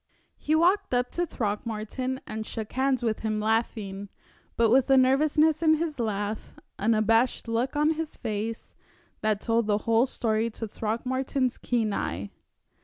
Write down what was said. He walked up to Throckmorton and shook hands with him, laughing, but with a nervousness in his laugh, an abashed look on his face, that told the whole story to Throckmorton's keen eye.